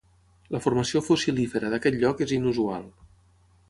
La formació fossilífera d'aquest lloc és inusual.